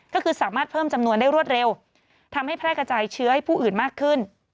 ก็คือสามารถเพิ่มจำนวนได้รวดเร็วทำให้แพร่กระจายเชื้อให้ผู้อื่นมากขึ้น